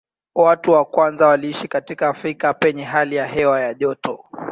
Watu wa kwanza waliishi katika Afrika penye hali ya hewa ya joto.